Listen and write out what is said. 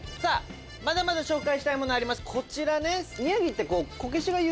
まだまだ紹介したいものありますこちら。